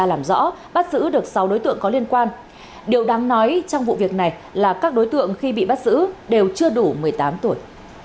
điều bắt giữ được sáu đối tượng có liên quan điều đáng nói trong vụ việc này là các đối tượng khi bị bắt giữ đều chưa đủ một mươi tám tuổi